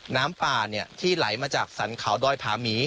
น้ำปลาที่ไหลมาจากสันขาวด้อยพาหมี